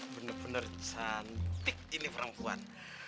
bener bener cantik ini perempuan